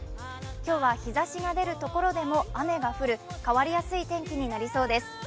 今日は日ざしが出るところでも雨が降る変わりやすい天気になりそうです。